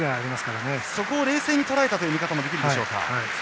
そこを冷静にとらえたという見方もできますか。